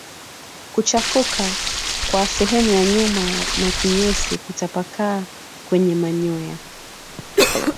Kuchafuka kwa sehemu ya nyuma na kinyesi kutapakaa kwenye manyoya